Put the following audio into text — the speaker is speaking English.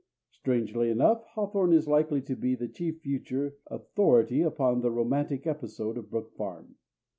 Strangely enough, Hawthorne is likely to be the chief future authority upon "the romantic episode" of Brook Farm.